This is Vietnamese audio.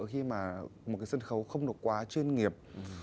khi mà một cái sân khấu không nó quá chuyên nghiệp